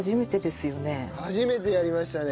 初めてやりましたね！